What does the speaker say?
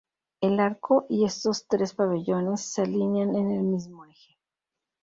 El arco y estos tres pabellones se alinean en el mismo eje.